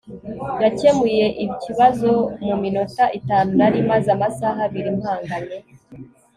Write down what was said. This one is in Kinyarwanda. yakemuye ikibazo muminota itanu nari maze amasaha abiri mpanganye